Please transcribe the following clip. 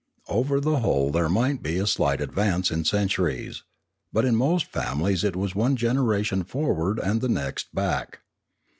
Over the whole there might be a slight advance in centuries; but in most families it was one generation forward and the next back.